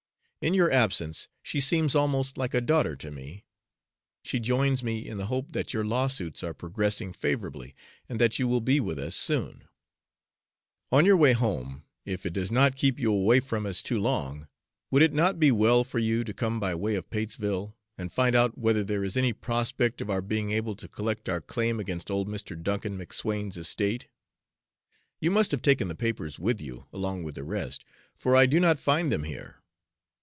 In your absence she seems almost like a daughter to me. She joins me in the hope that your lawsuits are progressing favorably, and that you will be with us soon. ... On your way home, if it does not keep you away from us too long, would it not be well for you to come by way of Patesville, and find out whether there is any prospect of our being able to collect our claim against old Mr. Duncan McSwayne's estate? You must have taken the papers with you, along with the rest, for I do not find them here.